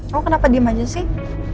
kamu kenapa diem aja sih